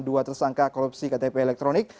dua tersangka korupsi ktp elektronik